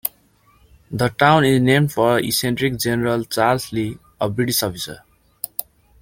The town is named for the eccentric General Charles Lee, a British officer.